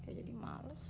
ya jadi males